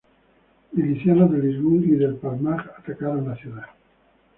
Milicianos del Irgún y del Palmaj atacaron la ciudad.